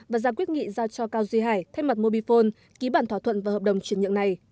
và ra quyết nghị giao cho cao duy hải thay mặt mobifone ký bản thỏa thuận và hợp đồng chuyển nhượng này